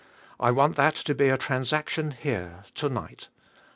I want that to be a transaction here, to night.